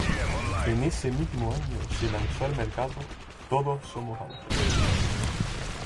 En ese mismo año se lanzó al mercado "Todos somos ángeles".